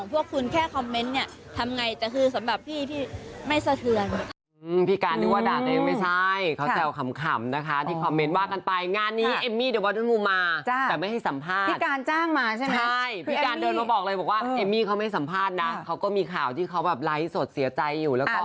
เพราะคำของพวกคุณแค่คอมเมนต์ทำไงจะคือสำหรับพี่ที่ไม่สะเทือน